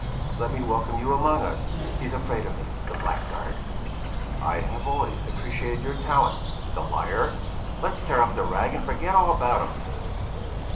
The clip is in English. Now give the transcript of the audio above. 'Let me welcome you among us' he's afraid of me, the blackguard 'I have always appreciated your talent' the liar! let's tear up the rag and forget all about him."